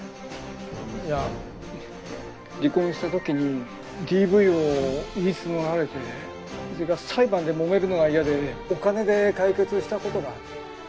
いや離婚したときにＤＶを言いつのられて裁判でもめるのが嫌でお金で解決したことが。